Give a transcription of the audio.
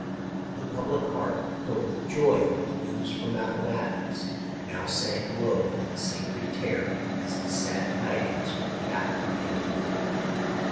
The public heart, filled with joy over the news from Appomattox, now sank low with a sacred terror as the sad tidings from the Capitol came in.